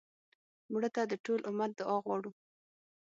مړه ته د ټول امت دعا غواړو